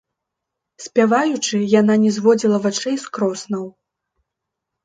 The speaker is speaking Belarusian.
Спяваючы, яна не зводзіла вачэй з кроснаў.